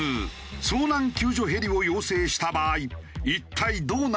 遭難救助ヘリを要請した場合一体どうなるのか？